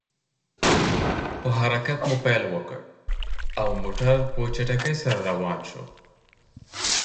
په حرکت مو پیل وکړ، او موټر په چټکۍ سره روان شو.